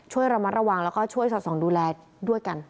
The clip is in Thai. ช่วยระมัดระวังแล้วก็ช่วยสอดส่องดูแลด้วยกัน